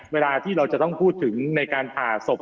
เวลาที่เราจะต้องพูดถึงในการผ่าศพ